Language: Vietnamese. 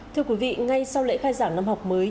thưa quý vị ngay sau lễ khai giảng năm học mới